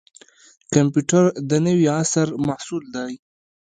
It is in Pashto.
کمپیوټر د نوي عصر محصول دی